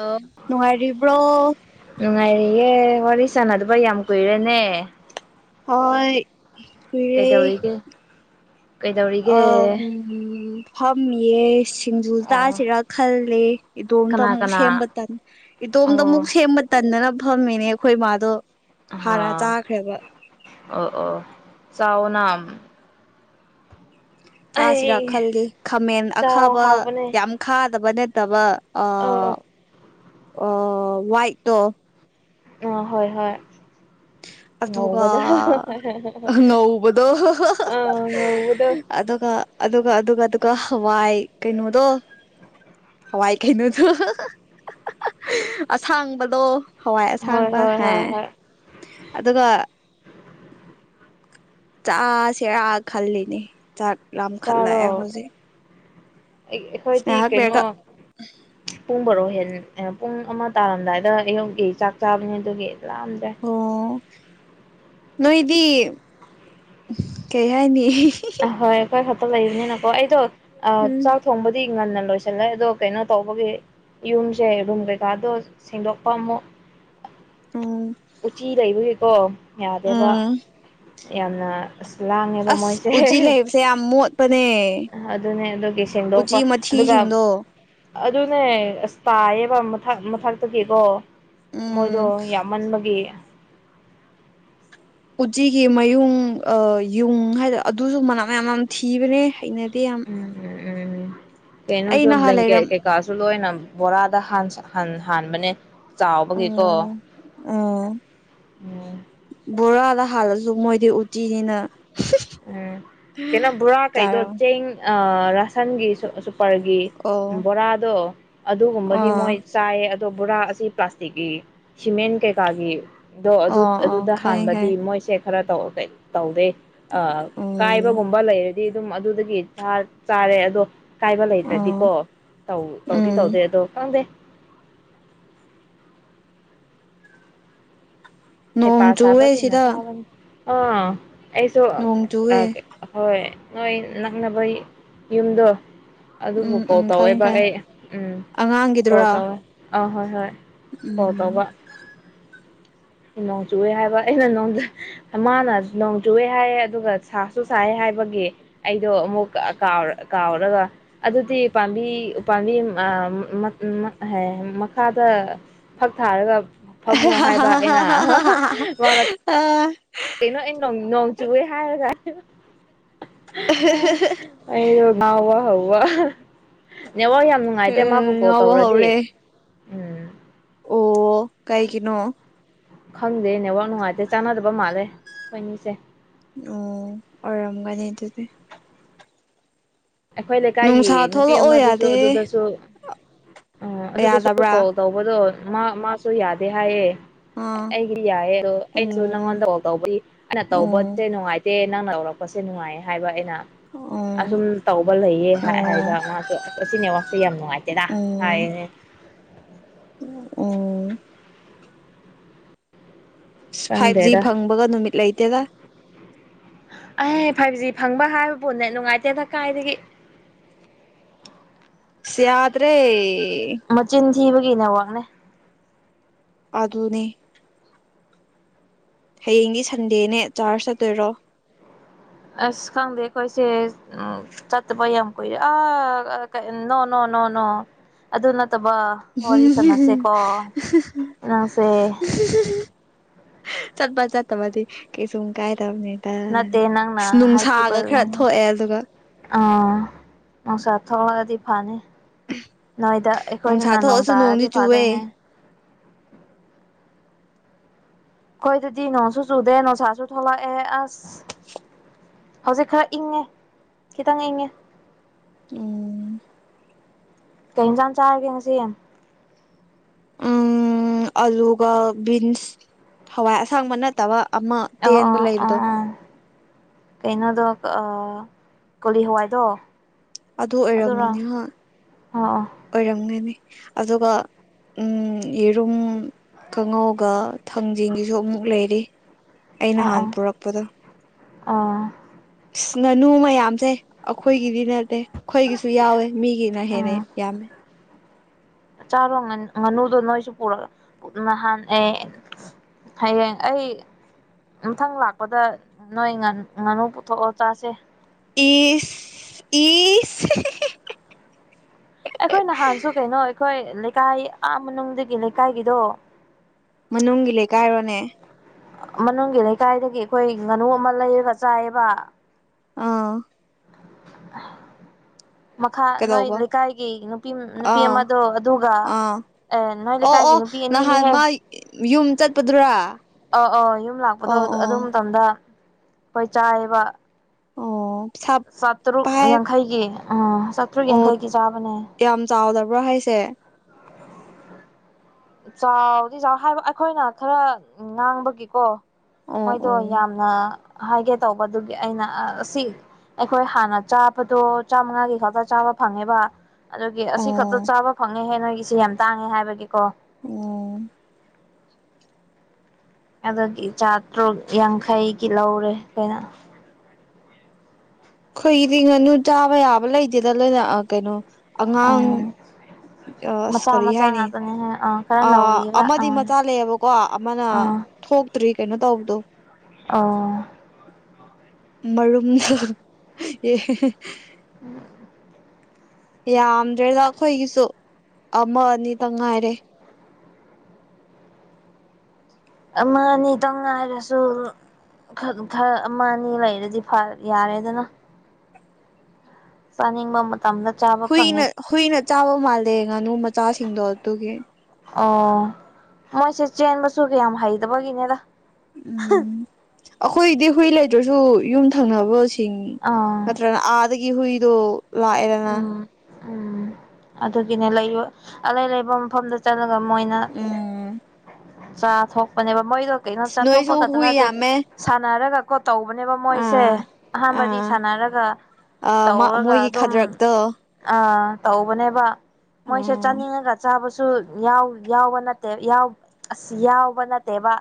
ꯑꯣ ꯅꯨꯡꯉꯥꯏꯔꯤꯕ꯭ꯔꯣ ꯅꯨꯡꯉꯥꯏꯔꯤꯌꯦ ꯋꯥꯔꯤ ꯁꯥꯟꯅꯗꯕ ꯌꯥꯝ ꯀꯨꯏꯔꯦꯅꯦ ꯍꯣꯢ ꯀꯨꯏꯔꯦ ꯀꯩꯗꯧꯔꯤꯒꯦ ꯑ ꯀꯩꯗꯧꯔꯤꯒꯦ ꯎꯝ ꯐꯝꯃꯤ ꯌꯦꯁ ꯁꯤꯡꯖꯨ ꯑꯣ ꯆꯥꯁꯤꯔꯥ ꯈꯜꯂꯦ ꯏꯇꯣꯝꯗ ꯀꯅꯥ ꯑꯃꯨꯛ ꯀꯅꯥ ꯁꯦꯝꯕ ꯇꯟ ꯏꯇꯣꯝꯇ ꯑꯃꯨꯛ ꯑꯣ ꯁꯦꯝꯕ ꯇꯟꯗꯅ ꯐꯝꯃꯤꯅꯦ ꯑꯩꯈꯣꯏ ꯏꯃꯥꯗꯣ ꯑ ꯍꯥꯟꯅ ꯆꯥꯈ꯭ꯔꯦꯕ ꯆꯥꯎꯑꯣꯅꯥ ꯆꯥꯁꯤꯔꯥ ꯈꯜꯂꯤ ꯈꯥꯃꯦꯟ ꯆꯥꯎ ꯑꯈꯥꯕ ꯌꯥꯝ ꯈꯥꯗꯕ ꯅꯠꯇꯕ ꯑꯣ ꯑꯣ ꯑꯣ ꯑꯣ ꯋꯥꯏꯠꯇꯣ ꯑ ꯍꯣꯏ ꯍꯣꯏ [inaudible] ꯑꯗꯨꯒ ꯉꯧꯕꯗꯣ ꯉꯧꯕꯗꯣ ꯑꯥ ꯉꯧꯕꯗꯣ ꯑꯗꯨꯒ ꯑꯗꯨꯒ ꯑꯗꯨꯒ ꯑꯗꯨꯒ ꯍꯋꯥꯏꯠ ꯀꯩꯅꯣꯗꯣ ꯍꯋꯥꯏ ꯀꯩꯅꯣꯗꯣ ꯑꯁꯥꯡꯕꯗꯣ ꯍꯋꯥꯏ ꯍꯣꯏ ꯑꯁꯥꯡꯕ ꯍꯣꯏ ꯍꯣꯏ ꯍꯥꯏ ꯍꯣꯏ [inaudible] ꯆꯁꯦꯔꯥ ꯈꯜꯂꯤꯅꯤ ꯆꯥꯛ ꯂꯝꯈꯠꯂꯛꯑꯦ ꯍꯧꯖꯤꯛ ꯑꯩ ꯑꯩꯈꯣꯏꯗꯤ ꯉꯥꯏꯍꯥꯛ ꯀꯩꯅꯣ ꯂꯩꯔꯒ ꯄꯨꯡꯕꯔꯣ ꯍꯦꯟ ꯑ ꯄꯨꯡ ꯑꯃ ꯇꯥꯔꯝꯗꯥꯏꯗ ꯑꯌꯨꯒꯤ ꯆꯥꯛ ꯆꯥꯕꯅꯦ ꯑꯗꯨꯒꯤ ꯂꯥꯝꯗ꯭ꯔꯦ ꯑꯣ ꯅꯣꯏꯗꯤ ꯀꯩ ꯍꯥꯏꯅꯤ ꯑꯍꯣꯏ ꯑꯩꯈꯣꯏ ꯈꯛꯇ ꯂꯩꯕꯅꯤꯅꯀꯣ ꯑꯩꯗꯣ ꯎꯝ ꯆꯥꯛ ꯊꯣꯡꯕꯗꯤ ꯉꯟꯅ ꯂꯣꯏꯁꯤꯜꯂꯦ ꯑꯗꯣ ꯀꯩꯅꯣ ꯇꯧꯕꯒꯤ ꯌꯨꯝꯁꯦ ꯔꯨꯝ ꯀꯩꯀꯥꯗꯣ ꯁꯦꯡꯗꯣꯛꯄ ꯑꯃꯨꯛ ꯎꯝ ꯎꯆꯤ ꯂꯩꯕꯒꯤꯀꯣ ꯌꯥꯗꯦꯕ ꯎꯝ ꯌꯥꯝꯅ ꯑꯁ ꯂꯥꯡꯉꯦꯕ ꯑꯁ ꯃꯣꯏꯁꯦ ꯎꯆꯤ ꯂꯩꯕꯁꯦ ꯌꯥꯝ ꯃꯣꯠꯄꯅꯦ [unintelligible] ꯑꯗꯨꯅꯦ ꯑꯗꯨꯒꯤ ꯁꯦꯡꯗꯣꯛꯄ ꯑꯗꯨꯒ ꯏꯍꯤꯡꯗꯣ ꯑꯗꯨꯅꯦ ꯑꯁ ꯄꯥꯏꯌꯦꯕ ꯃꯊꯛ ꯃꯊꯛꯇꯒꯤꯀꯣ ꯃꯣꯏꯗꯣ ꯎꯝ ꯌꯥꯝꯃꯟꯕ ꯒꯤ ꯎꯠꯆꯤꯒꯤ ꯃꯌꯨꯡ ꯑ ꯌꯨꯡ ꯍꯥꯏꯗ ꯑꯗꯨꯖꯨ ꯃꯅꯝ ꯌꯥꯝ ꯅꯝꯊꯤꯕꯅꯦ ꯍꯩꯅ ꯎꯝ ꯎꯝ ꯎꯝ ꯑꯩ ꯀꯩꯅꯣꯁꯨ ꯅꯍꯥꯟ ꯕ꯭ꯂꯦꯡꯀꯦꯠ ꯂꯩꯔꯝ ꯀꯩꯀꯥꯁꯨ ꯂꯣꯏꯅ ꯕꯣꯔꯥꯗ ꯍꯥꯟꯁ ꯍꯥꯟ ꯍꯥꯟꯕꯅꯦ ꯆꯥꯎꯕꯒꯤꯀꯣ ꯑꯣ ꯑꯣ ꯎꯝ ꯕꯣꯔꯥꯗ ꯍꯥꯜꯂꯁꯨ ꯃꯣꯏꯗꯤ ꯎꯆꯤꯅꯤꯅ ꯎꯝ ꯀꯩꯅꯣ ꯕꯣꯔꯥ ꯀꯩꯗꯣ ꯆꯥꯔꯝ ꯆꯦꯡ ꯑ ꯔꯁꯟꯒꯤ ꯁꯨꯛ ꯑꯁꯨ ꯄꯔꯒꯤ ꯑꯣ ꯕꯣꯔꯥꯗꯣ ꯑꯗꯨꯒꯨꯝꯕꯗꯤ ꯑꯥ ꯃꯣꯏ ꯆꯥꯏꯌꯦ ꯑꯗꯣ ꯕꯣꯔꯥ ꯑꯁꯤ ꯄ꯭ꯂꯥꯁꯇꯤꯛꯀꯤ ꯁꯤꯃꯦꯟ ꯀꯩꯀꯥꯒꯤ ꯗꯣ ꯑꯗꯨ ꯑꯣ ꯑꯣ ꯑꯗꯨꯗ ꯍꯥꯟꯕꯗꯤ ꯈꯪꯉꯦ ꯈꯪꯉꯦ ꯃꯣꯏꯁꯦ ꯈꯔ ꯇꯧ ꯀꯩ ꯇꯧꯗꯦ ꯑ ꯎꯝ ꯀꯥꯏꯕꯒꯨꯝꯕ ꯂꯩꯔꯗꯤ ꯑꯗꯨꯝ ꯑꯗꯨꯗꯒꯤ ꯆꯥ ꯆꯥꯔꯦ ꯑꯗꯣ ꯀꯥꯏꯕ ꯑꯣ ꯂꯩꯇ꯭ꯔꯗꯤꯀꯣ ꯇꯧꯗꯤ ꯎꯝ ꯇꯧꯗꯦ ꯑꯗꯣ ꯈꯪꯗꯦ ꯍꯩꯄꯥ ꯅꯣꯡ ꯆꯨꯋꯦ ꯁꯥꯕꯁꯤꯅ ꯁꯤꯗ ꯆꯥꯕꯅꯤ ꯑꯥ ꯑꯩꯁꯨ ꯅꯣꯡ ꯑ ꯆꯨꯋꯦ ꯍꯣꯏ ꯅꯣꯏ ꯅꯛꯅꯕꯩꯪ ꯌꯨꯝꯗꯣ ꯑꯗꯨꯕꯨ ꯎꯝ ꯀꯣꯜ ꯎꯝ ꯈꯪꯉꯦ ꯇꯧꯋꯦꯕ ꯈꯪꯉꯦ ꯑꯩ ꯎꯝ ꯀꯣꯜ ꯑꯉꯥꯡꯒꯤꯗꯨꯔꯥ ꯇꯧꯋꯦ ꯑꯥ ꯍꯣꯏ ꯍꯣꯏ ꯎꯝ ꯅꯣꯡꯆꯨꯋꯦ ꯍꯥꯏꯕ ꯑꯩꯅ ꯅꯣꯟꯗ ꯃꯥꯅ ꯅꯣꯡ ꯆꯨꯋꯦ ꯍꯥꯏꯌꯦ ꯑꯗꯨꯒ ꯁꯥꯁꯨ ꯁꯥꯏꯌꯦ ꯍꯥꯏ ꯍꯥꯏꯕꯒꯤ ꯑꯩꯗꯣ ꯑꯃꯨꯛ ꯀꯥꯎ ꯀꯥꯎꯔꯒ ꯑꯗꯨꯗꯤ ꯄꯥꯝꯕꯤ ꯎꯄꯥꯝꯕꯤ ꯃ ꯑ ꯃꯛ ꯃꯛ ꯍꯥꯏ ꯃꯈꯥꯗ ꯐꯛ ꯊꯥꯔꯒ ꯐꯝꯃꯣ ꯍꯥꯏꯕ ꯑꯩꯅ ꯍꯥ ꯍꯥ ꯃꯅ ꯑ ꯀꯩꯅꯣ ꯑꯩ ꯅꯣꯡ ꯅꯣꯡ ꯆꯨꯋꯦ ꯍꯥꯏꯔꯒ [unintelligible] ꯑ ꯑꯩꯖꯨ ꯉꯥꯎꯕ ꯍꯧꯕ ꯅꯦꯠꯋꯛ ꯌꯥꯝ ꯅꯨꯡꯉꯥꯏꯇꯦ ꯃꯥꯕꯨ ꯀꯣꯜ ꯉꯥꯎꯕ ꯇꯧꯔꯗꯤ ꯍꯧꯔꯦ ꯎꯝ ꯑꯣ ꯀꯩꯒꯤꯅꯣ ꯈꯪꯗꯦ ꯅꯦꯠꯋꯥꯛ ꯅꯨꯡꯉꯥꯏꯇꯦ ꯆꯥꯟꯅꯗꯕ ꯃꯥꯜꯂꯦ ꯈꯣꯏꯅꯤꯁꯦ ꯑꯣ ꯑꯣꯏꯔꯝꯒꯅꯤ ꯗꯨꯗꯤ ꯑꯩꯈꯣꯏ ꯂꯩꯀꯥꯏꯒꯤ ꯅꯨꯄꯤ ꯊꯣꯛꯂꯛꯑꯣ ꯑꯃꯗꯨꯁꯨ ꯌꯥꯗꯦ ꯑꯗꯨꯗꯁꯨ ꯑꯪ ꯑꯗꯨꯗꯁꯨ ꯌꯥꯗꯕ꯭ꯔꯥ ꯀꯣꯜ ꯇꯧꯕꯗꯣ ꯃꯥ ꯃꯥꯁꯨ ꯌꯥꯗꯦ ꯍꯥꯏꯌꯦ ꯑꯥ ꯑꯩꯒꯤ ꯌꯥꯏꯌꯦ ꯑꯗꯣ ꯑꯩꯖꯨ ꯎꯝ ꯅꯪꯉꯣꯟꯗ ꯀꯣꯜ ꯇꯧꯕꯗꯤ ꯑꯩꯅ ꯎꯝ ꯇꯧꯕꯖꯦ ꯅꯨꯡꯉꯥꯏ ꯇꯦ ꯅꯪꯅ ꯑꯣꯔꯛꯄꯁꯦ ꯅꯨꯡꯉꯥꯏꯌꯦ ꯍꯥꯏꯕ ꯑꯩꯅ ꯎꯝ ꯑꯁꯨꯝ ꯇꯧꯕ ꯂꯩꯌꯦ ꯍꯥꯏ ꯎꯝ ꯍꯥꯏꯕ ꯃꯥꯁꯨ ꯑꯁ ꯑꯁꯤ ꯅꯦꯠꯋꯥꯛꯁꯦ ꯌꯥꯝ ꯅꯨꯡꯉꯥꯏꯇꯦꯗ ꯎꯝ ꯍꯥꯏꯌꯦꯅꯦ [unintelligible] ꯐꯥꯏꯚ ꯖꯤ ꯈꯪꯗꯦꯗ ꯐꯪꯕꯒ ꯅꯨꯃꯤꯠ ꯂꯩꯇꯦꯗ ꯑꯩ ꯐꯥꯏꯚꯖꯤ ꯐꯪꯕ ꯍꯥꯏꯕꯕꯨ ꯅꯦꯠ ꯅꯨꯡꯉꯥꯏꯇꯦꯗ ꯀꯥꯏꯗꯒꯤ [inaudible] ꯌꯥꯗ꯭ꯔꯦ ꯃꯆꯤꯟ ꯊꯤꯕꯒꯤ ꯅꯦꯋꯥꯥꯛꯅꯦ ꯑꯥꯗꯨꯅꯦ ꯍꯌꯦꯡꯗꯤ ꯁꯟꯗꯦꯅꯦ ꯆꯥꯔꯆ ꯆꯠꯇꯣꯏꯔꯣ ꯑꯁ ꯈꯪꯗꯦ ꯈꯣꯏꯁꯦ ꯆꯠꯇꯕ ꯌꯥꯝ ꯀꯨꯏꯔꯦ ꯑꯥ ꯀꯩ ꯅꯣ ꯅꯣ ꯅꯣ ꯅꯣ ꯑꯗꯨ ꯅꯠ ꯇꯕ ꯋꯥꯔꯤ ꯁꯥꯟꯅꯁꯦꯀꯣ ꯅꯪꯁꯦ ꯆꯠꯄ ꯆꯠꯇꯕꯗꯤ ꯀꯩꯁꯨꯝ ꯀꯥꯏ ꯗꯝꯅꯤꯗ ꯅꯠꯇꯦ ꯅꯪꯅ ꯍꯥꯏꯈꯤꯕ ꯅꯨꯡꯁꯥꯒ ꯈꯔ ꯊꯣꯛꯑꯦ ꯑꯗꯨꯒ ꯑꯥ ꯅꯨꯡꯁꯥ ꯊꯣꯛꯂꯗꯤ ꯐꯅꯤ ꯅꯣꯏꯗ ꯅꯨꯡꯁꯥ ꯑꯩꯈꯣꯏꯗꯅ ꯅꯣꯡ ꯊꯣꯛꯑꯁꯨ ꯅꯣꯡꯗꯤ ꯇꯥꯔꯗꯤ ꯆꯨꯋꯦ ꯐꯗꯣꯏꯅꯦ ꯈꯣꯏꯗꯗꯤ ꯅꯣꯡꯁꯨ ꯆꯨꯗꯦ ꯅꯨꯡꯁꯥꯁꯨ ꯊꯣꯂꯛꯑꯦ ꯑꯁ ꯍꯧꯖꯤꯛ ꯈꯔ ꯏꯪꯉꯦ ꯈꯤꯇꯪ ꯏꯪꯉꯦ ꯎꯝ ꯀꯩ ꯍꯦꯟꯖꯥꯡ ꯆꯥꯔꯒꯦ ꯉꯁꯤ ꯎꯝ ꯑꯂꯨꯒ ꯕꯤꯟꯁ ꯍꯋꯥꯏ ꯑꯁꯥꯡꯕ ꯅꯠꯇꯕ ꯑꯃ ꯑꯣ ꯇꯦꯟꯕ ꯑꯣ ꯑꯥ ꯂꯩꯕꯗꯣ ꯑꯥ ꯀꯩꯅꯣꯗꯣ ꯑꯥ ꯀꯣꯂꯤ ꯍꯋꯥꯏꯗꯣ ꯑꯗꯨ ꯑꯗꯨꯔꯣ ꯑꯣꯏꯔꯝꯒꯅꯤ ꯍ ꯑꯣ ꯑꯣ ꯑꯣꯏꯔꯝꯒꯅꯤ ꯑꯗꯨꯒ ꯎꯝ ꯌꯦꯔꯨꯝ ꯀꯥꯡꯉꯧꯒ ꯊꯥꯡꯖꯤꯡꯒꯤꯁꯨ ꯑꯃꯨꯛ ꯂꯩꯔꯤ ꯑꯩ ꯑꯥ ꯅꯍꯥꯟ ꯑꯥ ꯄꯨꯔꯛꯄꯗꯣ ꯑꯥ ꯉꯅꯨ ꯃꯌꯥꯝꯖꯦ ꯑꯈꯣꯏꯒꯤꯗꯤ ꯅꯠꯇꯦ ꯈꯣꯏꯒꯤꯁꯨ ꯌꯥꯎꯋꯦ ꯃꯤꯒꯤꯅ ꯍꯦꯟꯅ ꯑꯥ ꯌꯥꯝꯃꯦ ꯆꯥꯔꯣ ꯉꯥꯟ ꯉꯥꯅꯨꯗꯣ ꯅꯣꯏꯁꯨ ꯄꯣꯔꯛ ꯅꯍꯥꯟ ꯑꯦ ꯍꯌꯦꯡ ꯑꯩ ꯃꯊꯪ ꯂꯥꯛꯄꯗ ꯅꯣꯏ ꯉꯥꯟ ꯉꯥꯅꯨ ꯄꯨꯊꯣꯛꯑꯣ ꯆꯥꯁꯦ ꯏꯁ ꯏꯁ [unintelligible] ꯑꯩꯈꯣꯏ ꯅꯍꯥꯟꯁꯨ ꯀꯩꯅꯣ ꯑꯩꯈꯣꯏ ꯂꯩꯀꯥꯏ ꯑꯥ ꯃꯅꯨꯡꯗꯒꯤ ꯂꯩꯀꯥꯏꯒꯤꯗꯣ ꯃꯅꯨꯡꯒꯤ ꯂꯩꯀꯥꯏꯔꯣꯅꯦ ꯃꯅꯨꯡꯒꯤ ꯂꯩꯀꯥꯏꯗꯒꯤ ꯑꯩꯈꯣꯏ ꯉꯥꯅꯨ ꯑꯃ ꯂꯩꯔꯒ ꯆꯥꯏꯌꯦꯕ ꯑꯥ [inaudible] ꯃꯈꯥ ꯅꯣꯏ ꯀꯩꯗꯧꯕ ꯂꯩꯀꯥꯏꯒꯤ ꯅꯨꯄꯤ ꯅꯨꯄꯤ ꯑꯥ ꯑꯃꯗꯣ ꯑꯗꯨꯒ ꯑꯥ ꯑꯦ ꯅꯣꯏ ꯑꯣ ꯂꯩꯀꯥꯏꯒꯤ ꯑꯣ ꯅꯨꯄꯤ ꯅꯍꯥꯟ ꯑꯅꯤꯅꯤꯍꯦ ꯃꯥꯏ ꯌꯨꯝ ꯆꯠꯄꯗꯨꯔꯥ ꯑꯧ ꯑꯧ ꯌꯨꯝ ꯂꯥꯛꯄꯗꯣ ꯑꯣ ꯑꯗꯨ ꯑꯣ ꯃꯇꯝꯗ ꯑꯈꯣꯏ ꯆꯥꯏꯌꯦꯕ ꯑꯣ ꯄꯩꯁꯥ ꯆꯥꯇ꯭ꯔꯨꯛ ꯄꯥꯏ ꯌꯥꯡꯈꯩꯒꯤ ꯎꯝ ꯆꯥꯇ꯭ꯔꯨꯛ ꯑꯣ ꯌꯥꯡꯈꯩꯒꯤ ꯆꯥꯕꯅꯦ ꯌꯥꯝ ꯆꯥꯎꯗꯕ꯭ꯔꯥ ꯍꯥꯏꯁꯦ ꯆꯥꯎꯗꯤ ꯆꯥꯎ ꯍꯥꯏꯕ ꯑꯩꯈꯣꯏꯅ ꯈꯔ ꯉꯥꯡꯕꯒꯤꯀꯣ ꯑꯣ ꯃꯣꯏꯗꯣ ꯑꯣ ꯌꯥꯝꯅ ꯍꯥꯏꯒꯦ ꯇꯧꯕ ꯑꯗꯨꯒꯤ ꯑꯩꯅ ꯑ ꯁꯤ ꯑꯩꯈꯣꯏ ꯍꯥꯟꯅ ꯆꯥꯕꯗꯣ ꯆꯥꯝꯃꯉꯥꯒꯤ ꯈꯛꯇ ꯆꯥꯕ ꯐꯪꯉꯦꯕ ꯑꯗꯨꯒꯤ ꯑꯁꯤ ꯑꯣ ꯈꯛꯇ ꯆꯥꯕ ꯐꯪꯉꯦꯍꯦ ꯅꯣꯏꯒꯤꯁꯦ ꯌꯥꯝ ꯇꯥꯡꯉꯦ ꯍꯥꯏꯕꯒꯤꯀꯣ ꯎꯝ ꯑꯗꯨꯒꯤ ꯆꯥꯇ꯭ꯔꯨꯛ ꯌꯥꯡꯈꯩꯒꯤ ꯂꯧꯔꯦ ꯀꯩꯅ ꯈꯣꯏꯒꯤꯗꯤ ꯉꯥꯅꯨ ꯆꯥꯕ ꯌꯥꯕ ꯂꯩꯇꯦꯗ ꯂꯣꯏꯅ ꯑꯥ ꯀꯩꯅꯣ ꯑꯉꯥꯡ ꯎꯝ ꯑꯁ ꯃꯆꯥ ꯀꯔꯤ ꯃꯆꯥ ꯍꯥꯏꯅꯤ ꯉꯥꯛꯇꯅꯦ ꯍꯥꯏ ꯑꯥ ꯈꯔ ꯑ ꯅꯧꯔꯤꯕ ꯑꯃꯗꯤ ꯑꯥ ꯃꯆꯥ ꯂꯩꯌꯦꯕꯀꯣ ꯑꯃꯅ ꯊꯣꯛꯇ꯭ꯔꯤ ꯀꯩꯅꯣ ꯇꯧꯕꯗꯣ ꯑꯧ ꯃꯔꯨꯝꯗꯣ [unintelligible] ꯌꯥꯝꯗ꯭ꯔꯦꯗ ꯑꯩꯈꯣꯏꯒꯤꯁꯨ ꯑꯃ ꯑꯅꯤ ꯇꯪ ꯉꯥꯏꯔꯦ ꯑꯃꯅꯤꯇꯪ ꯉꯥꯏꯔꯁꯨ ꯈꯔ ꯈꯔ ꯑꯃ ꯑꯅꯤ ꯂꯩꯔꯗꯤ ꯌꯥꯔꯦꯗꯅ ꯆꯥꯅꯤꯡꯕ ꯃꯇꯝꯗ ꯆꯥꯕ ꯐꯪꯉꯦ ꯍꯨꯏꯅ ꯍꯨꯏꯅ ꯆꯥꯕ ꯃꯥꯜꯂꯦ ꯉꯥꯅꯨ ꯃꯆꯥꯁꯤꯡꯗꯣ ꯑꯗꯨꯒꯤ ꯑꯣ ꯃꯣꯏꯁꯦ ꯆꯦꯟꯕꯁꯨ ꯀꯌꯥꯝ ꯍꯩꯇꯕꯒꯤꯅꯤꯗ ꯎꯝ ꯑꯈꯣꯏꯗꯤ ꯍꯨꯏ ꯂꯩꯇ꯭ꯔꯁꯨ ꯌꯨꯝ ꯊꯪꯅꯕꯁꯤꯡ ꯑꯥ ꯅꯠꯇ꯭ꯔꯒ ꯑꯥꯗꯒꯤ ꯍꯨꯏꯗꯣ ꯂꯥꯛꯑꯦꯗꯅ ꯎꯝ ꯎꯝ ꯑꯗꯨꯒꯤꯅꯦ ꯂꯩꯕ ꯑꯂꯩ ꯑꯂꯩꯕꯥ ꯃꯐꯝꯗ ꯆꯠꯂꯒ ꯃꯣꯏꯅ ꯎꯝ ꯆꯥꯊꯣꯛꯄꯅꯦꯕ ꯃꯣꯏꯗꯣ ꯀꯩꯅꯣ ꯆꯥꯊꯣꯛꯄ ꯅꯣꯏꯁꯨ ꯈꯛꯇ ꯍꯨꯏ ꯅꯠꯇꯦ ꯌꯥꯝꯃꯦ ꯁꯥꯟꯅꯔꯒ ꯀꯣ ꯇꯧꯕꯅꯦꯕ ꯃꯣꯏꯁꯦ ꯑꯥ ꯑꯍꯥꯟꯕꯗꯤ ꯑꯥ ꯁꯥꯟꯅꯔꯒ ꯑꯥ ꯇꯧꯔꯒ ꯃꯣꯏꯒꯤ ꯑꯗꯨꯝ ꯈꯗ꯭ꯔꯛꯇꯣ ꯑꯥ ꯇꯧꯕꯅꯦꯕ ꯃꯣꯏꯁꯦ ꯎꯝ ꯆꯥꯅꯤꯡꯉꯒ ꯆꯥꯕꯁꯨ ꯁꯨ ꯌꯥꯎ ꯌꯥꯎꯕ ꯅꯠꯇꯦꯕ ꯌꯥꯎ ꯑꯁ ꯌꯥꯎꯕ ꯅꯠꯇꯦꯕ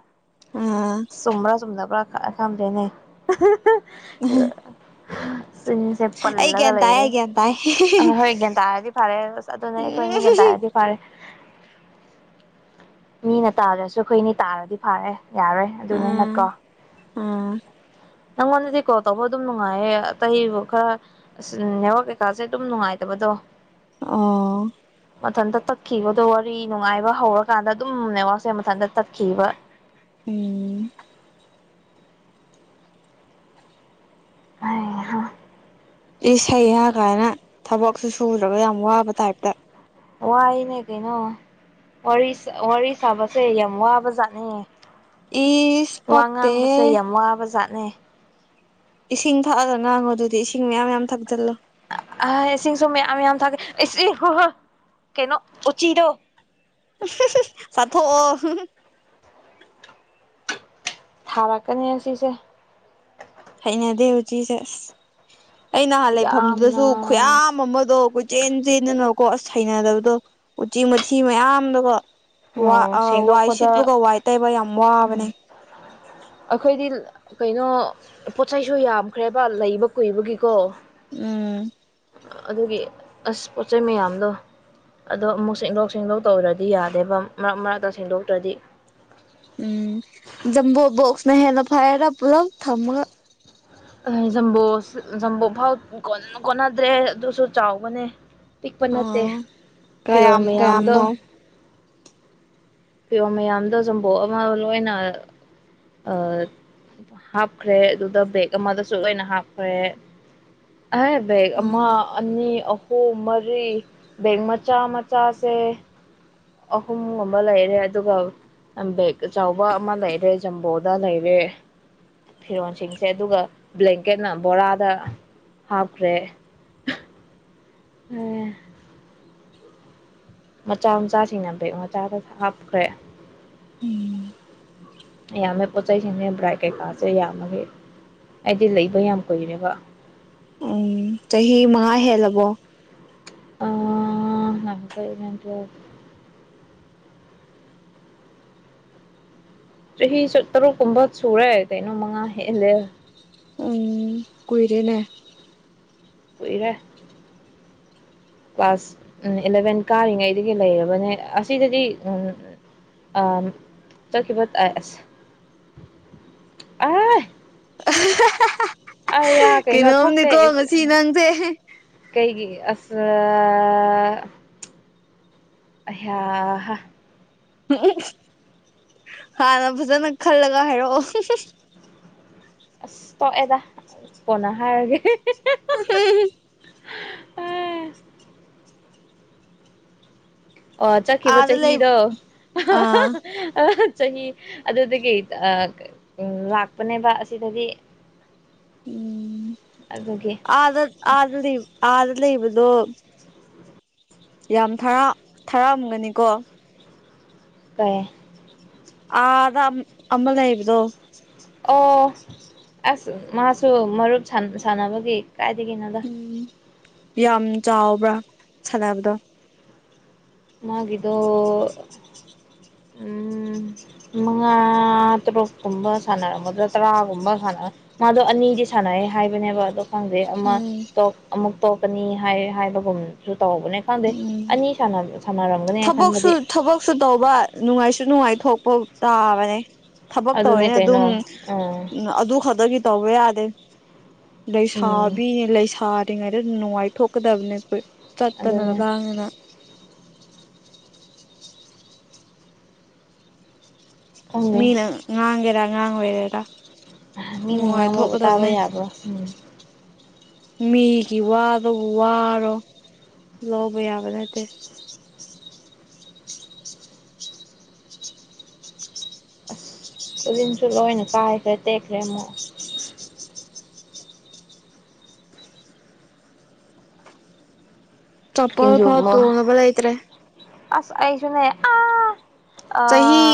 ꯑꯥ ꯆꯨꯝꯕꯔꯥ ꯆꯨꯝꯗꯕꯔꯥ ꯈꯡꯗꯦꯅꯦ ꯆꯤꯟꯁꯦ ꯑꯩ ꯄꯜꯂꯒ ꯒ꯭ꯌꯥꯟ ꯇꯥꯏ ꯂꯩꯔꯦ ꯑꯩ ꯒ꯭ꯌꯥꯟ ꯇꯥꯏ ꯑꯥ ꯍꯣꯏ ꯒꯌ꯭ꯥꯟ ꯇꯔꯗꯤ ꯐꯥꯔꯦ ꯑꯁ ꯑꯗꯨꯅꯦ ꯑꯈꯣꯏꯅꯤ ꯒꯌ꯭ꯥꯟ ꯇꯥꯔꯗꯤ ꯑꯥ ꯐꯥꯔꯦ ꯃꯤꯅ ꯇꯥꯗ꯭ꯔꯁꯨ ꯑꯈꯣꯏꯅꯤ ꯇꯥꯔꯗꯤ ꯐꯥꯔꯦ ꯌꯥꯔꯣꯏ ꯑꯗꯨꯅꯦ ꯅꯠꯀꯣ ꯅꯪꯉꯣꯟꯗꯗꯤ ꯀꯣꯜ ꯇꯧꯕ ꯑꯗꯨꯝ ꯅꯨꯡꯉꯥꯏꯌꯦ ꯑꯇꯩ ꯈꯔ ꯅꯦꯋꯥꯔ ꯀꯩꯀꯥꯁꯦ ꯑꯗꯨꯝ ꯅꯨꯡꯉꯥꯏꯇꯕꯗꯣ ꯑꯣ ꯃꯊꯟꯇ ꯇꯠꯈꯤꯕꯗꯣ ꯋꯥꯔꯤ ꯅꯨꯡꯉꯥꯏꯕ ꯍꯧꯔꯀꯥꯟꯗ ꯑꯗꯨꯝ ꯅꯦꯋꯥꯛꯁꯦ ꯃꯊꯟꯇ ꯇꯠꯈꯤꯕ ꯎꯝ ꯍꯩꯍꯥ ꯏꯁ ꯍꯩꯍꯥꯥ ꯀꯥꯏꯅ ꯊꯕꯛꯁꯨ ꯁꯨꯗ꯭ꯔꯒ ꯌꯥꯝ ꯋꯥꯕ ꯇꯥꯏꯞꯇ ꯋꯥꯏꯅꯦ ꯀꯩꯅꯣ ꯋꯥꯔꯤ ꯁꯥꯕꯁꯦ ꯌꯥꯝ ꯋꯥꯕꯖꯥꯠꯅꯦ ꯏꯁ ꯋꯥ ꯄꯛꯇꯦ ꯉꯥꯡꯕꯁꯦ ꯌꯥꯝ ꯋꯥꯕ ꯖꯥꯠꯅꯦ ꯏꯁꯤꯡ ꯊꯛꯑꯒ ꯉꯥꯡꯉꯣ ꯑꯗꯨꯗꯤ ꯏꯁꯤꯡ ꯃꯌꯥꯝ ꯃꯌꯥꯝ ꯊꯛꯆꯜꯂꯣ ꯏꯁꯤꯡ ꯁꯨ ꯃꯌꯥꯝ ꯃꯌꯥꯝ ꯊꯛ [unintelligible] ꯀꯩꯅꯣ ꯎꯆꯤꯗꯣ ꯆꯥꯊꯣꯛꯑꯣ ꯊꯥꯔꯛꯀꯅꯤ ꯑꯁꯤꯁꯦ ꯍꯩꯅꯗꯦ ꯎꯆꯤꯁꯦ ꯑꯁ ꯑꯩ ꯅꯍꯥꯟ ꯂꯩꯐꯝꯗꯨꯗꯁꯨ ꯌꯥꯝꯅ ꯈꯨꯌꯥꯝ ꯑꯃꯗꯣ ꯆꯦꯟ ꯆꯦꯟꯗꯅꯀꯣ ꯑꯁ ꯍꯩꯅꯗꯕꯗꯣ ꯎꯆꯦꯛ ꯃꯊꯤ ꯃꯌꯥꯝꯗꯀꯣ ꯋꯥ ꯑ ꯋꯥꯏꯁꯤꯠꯕꯒ ꯋꯥꯏꯇꯩꯕꯒꯥ ꯌꯥꯝ ꯎꯝ ꯋꯥꯕꯅꯦ ꯑꯈꯣꯏꯗꯤ ꯀꯩꯅꯣ ꯄꯣꯠ ꯆꯩꯁꯨ ꯌꯥꯝꯈ꯭ꯔꯦꯕ ꯂꯩꯕ ꯀꯨꯏꯕꯒꯤꯀꯣ ꯎꯝ ꯑꯗꯨꯒꯤ ꯑꯁ ꯄꯣꯠ ꯆꯩꯩ ꯃꯌꯥꯝꯗꯣ ꯑꯗꯣ ꯑꯃꯨꯛ ꯁꯦꯡꯗꯣꯛ ꯁꯦꯡꯗꯣꯛ ꯇꯧꯗ꯭ꯔꯗꯤ ꯌꯥꯗꯦꯕ ꯃꯔꯛ ꯃꯔꯛꯇ ꯁꯦꯡꯗꯣꯛꯇ꯭ꯔꯗꯤ ꯎꯝ ꯖꯝꯕꯣ ꯕꯣꯛꯁꯅ ꯍꯦꯟꯅ ꯐꯔꯦꯗꯥ ꯄꯨꯂꯞ ꯊꯝꯃꯒ ꯑꯦ ꯖꯝꯕꯣ ꯁꯨ ꯖꯝꯕꯣ ꯐꯥꯎ ꯀꯣꯟ ꯀꯣꯟꯅꯗ꯭ꯔꯦ ꯑꯗꯨꯁꯨ ꯆꯥꯎꯕꯅꯦ ꯄꯤꯛꯄ ꯅꯠꯇꯦ ꯑꯥ ꯐꯤꯔꯣꯜ ꯀꯌꯥꯝ ꯃꯌꯥꯝꯗꯣ ꯀꯌꯥꯝꯅꯣ ꯐꯤꯌꯣꯜ ꯃꯌꯥꯝꯗꯣ ꯖꯝꯕꯣ ꯑꯃ ꯂꯣꯏꯅ ꯑ ꯍꯥꯞꯈ꯭ꯔꯦ ꯑꯗꯨꯗ ꯕꯦꯛ ꯑꯃꯗꯁꯨ ꯂꯣꯏꯅ ꯍꯥꯞꯈ꯭ꯔꯦ ꯑꯥꯏ ꯕꯦꯛ ꯑꯃ ꯑꯅꯤ ꯑꯍꯨ ꯍꯣ ꯃꯔꯤ ꯕꯦꯛ ꯃꯆꯥ ꯃꯆꯥꯁꯦ ꯑꯍꯨꯝꯒꯨꯝꯕ ꯂꯩꯔꯦ ꯑꯗꯨꯒ ꯑꯝ ꯕꯦꯛ ꯑꯆꯧꯕ ꯑꯃ ꯂꯩꯔꯦ ꯖꯝꯕꯣꯗ ꯂꯩꯔꯦ ꯐꯤꯔꯣꯟꯁꯤꯡꯁꯦ ꯑꯗꯨꯒ ꯕ꯭ꯂꯦꯡꯀꯦꯠꯅ ꯕꯣꯔꯥꯗ ꯍꯥꯞꯈ꯭ꯔꯦ ꯑꯍ ꯑꯦ ꯃꯆꯥ ꯃꯆꯥꯁꯤꯡꯅ ꯕꯦꯛ ꯃꯆꯥꯗ ꯍꯥꯞꯈ꯭ꯔꯦ ꯎꯝ ꯌꯥꯝꯃꯦ ꯄꯣꯠ ꯆꯩ ꯁꯤꯡꯖꯦ ꯕ꯭ꯔꯥꯏꯗ ꯀꯩ ꯀꯥꯥꯁꯦ ꯌꯥꯝꯕꯒꯤ ꯑꯩꯗꯤ ꯂꯩꯕ ꯌꯥꯝ ꯀꯨꯏꯔꯦꯕ ꯎꯝ ꯆꯍꯤ ꯃꯉꯥ ꯍꯦꯜꯂꯕꯣ ꯑꯥ ꯉꯥꯏꯈꯣ ꯑꯩꯠ ꯅꯥꯏꯟ ꯇ꯭ꯋꯦꯜꯐ ꯆꯍꯤꯁꯨ ꯇꯔꯨꯛ ꯀꯨꯝꯕ ꯁꯨꯔꯦ ꯀꯩꯅꯣ ꯃꯉꯥ ꯍꯦꯜꯂꯦ ꯎꯝ ꯀꯨꯏꯔꯦꯅꯦ ꯀꯨꯏꯔꯦ [inaudible] ꯀ꯭ꯂꯥꯁ ꯎꯝ ꯑꯦꯂꯚꯦꯟ ꯀꯥꯔꯤꯉꯩꯗꯒꯤ ꯂꯩꯔꯕꯅꯦ ꯑꯁꯤꯗꯗꯤ ꯎꯝ ꯑꯥꯝ ꯆꯠꯈꯤꯕ ꯇ ꯑꯦꯁ ꯑꯥꯏ ꯑꯥ ꯌꯥ ꯀꯩꯅꯣ ꯊꯣꯛꯇꯦ ꯀꯩꯅꯣꯝꯅꯤꯀꯣ ꯑꯁꯦ ꯉꯁꯤ ꯅꯪꯁꯦ ꯀꯩꯒꯤ ꯑꯁ ꯑꯥ ꯑꯩꯌꯥꯍꯥ ꯎꯝꯍꯍꯝ ꯍꯥꯟꯅ ꯐꯖꯅ ꯈꯜꯂꯒ ꯍꯥꯏꯔꯛꯑꯣ ꯍꯝꯍꯝ ꯑꯁ ꯇꯣꯛꯑꯦꯗꯥ ꯀꯣꯟꯅ ꯍꯥꯏꯔꯒꯦ ꯑꯍꯦꯍꯦ ꯍꯍꯝꯍꯝ ꯑꯣ ꯆꯠꯈꯤꯕ ꯑꯥꯗ ꯂꯩ ꯆꯍꯤꯗꯣ ꯑꯍꯍꯍ ꯑꯥ ꯑꯍ ꯆꯍꯤ ꯑꯗꯨꯗꯒꯤ ꯑꯥ ꯎꯝ ꯂꯥꯛꯄꯅꯦꯕ ꯑꯁꯤꯗꯗꯤ ꯎꯝ ꯑꯗꯨꯒꯤ ꯑꯥꯗ ꯑꯥꯗ ꯂꯩ ꯑꯥꯗ ꯂꯩꯕꯗꯣ ꯌꯥꯝ ꯊꯔꯥ ꯊꯥꯔꯛꯑꯝꯒꯅꯤꯀꯣ ꯀꯩ ꯑꯥꯗ ꯑꯝ ꯑꯃ ꯂꯩꯕꯗꯣ ꯑꯣ ꯑꯁ ꯃꯥꯁꯨ ꯃꯔꯨꯞ ꯁꯥꯟ ꯁꯥꯟꯅꯕꯒꯤ ꯀꯥꯏꯗꯒꯤꯅꯣꯗ ꯎꯝ ꯌꯥꯝ ꯆꯥꯎꯕ꯭ꯔꯥ ꯁꯥꯟꯅꯕꯗꯣ ꯃꯥꯒꯤꯗꯣ [inaudible] ꯎꯝ ꯃꯉꯥ ꯇꯔꯨꯛ ꯀꯨꯝꯕ ꯁꯥꯟꯅꯔꯝꯒꯗ꯭ꯔꯥ ꯇꯔꯥꯒꯨꯝꯕ ꯁꯅꯔ ꯃꯥꯗꯣ ꯑꯅꯤꯗꯤ ꯁꯥꯟꯅꯩ ꯍꯥꯏꯕꯅꯦꯕ ꯑꯗꯣ ꯈꯪꯗꯩ ꯑꯃ ꯎꯝ ꯇꯣ ꯑꯃꯨꯛ ꯇꯣꯛꯀꯅꯤ ꯍꯥꯏ ꯍꯥꯏꯕꯒꯨꯝꯁꯨ ꯇꯧꯕꯅꯦ ꯈꯪꯗꯦ ꯎꯝ ꯑꯅꯤ ꯁꯥꯟꯅꯕ ꯊꯕꯛꯁꯨ ꯊꯕꯛꯁꯨ ꯇꯧꯕ ꯅꯨꯡꯉꯥꯏꯁꯨ ꯅꯨꯡꯉꯥꯏꯊꯣꯛꯄ ꯇꯥꯕꯅꯦ ꯊꯕꯛ ꯑꯗꯨꯅꯦ ꯇꯧꯋꯦꯅ ꯑꯗꯨꯝ ꯀꯩꯅꯣ ꯑ ꯑꯝ ꯑꯗꯨ ꯈꯛꯇꯒꯤ ꯇꯧꯕ ꯌꯥꯗꯦ ꯎꯝ ꯂꯩꯁꯥꯕꯤꯅꯦ ꯂꯩꯁꯥꯔꯤꯉꯩꯗ ꯅꯨꯡꯉꯥꯏꯊꯣꯛꯀꯗꯕꯅꯦ ꯑꯈꯣꯏ ꯆꯠꯇꯅ ꯑꯗꯨꯅ ꯂꯥꯡꯗꯅ ꯈꯪꯗꯦ ꯃꯤꯅ ꯉꯥꯡꯒꯦꯔꯥ ꯉꯥꯡ ꯑꯣꯏꯒꯦꯔꯥ ꯑꯍ ꯃꯤꯅ ꯉꯥꯡꯕꯕꯨ ꯇꯥꯕ ꯌꯥꯕ꯭ꯔꯣ ꯎꯝ ꯃꯤꯒꯤ ꯋꯥꯕꯕꯨ ꯋꯥꯔꯣ ꯂꯧꯕ ꯌꯥꯥꯕꯅꯠꯇꯦ ꯑꯁ ꯈꯨꯖꯤꯟꯁꯨ ꯂꯣꯏꯅ ꯀꯥꯏꯈ꯭ꯔꯦ ꯇꯦꯛꯈ꯭ꯔꯦ ꯑꯃꯨꯛ ꯆꯄꯜ ꯁꯤꯡꯖꯨ ꯐꯥꯎ ꯑꯃꯨꯛ ꯇꯣꯡꯅꯕ ꯂꯩꯇ꯭ꯔꯦ ꯑꯁ ꯑꯩꯁꯨꯅꯦ ꯑꯥ ꯆꯍꯤ ꯑꯥ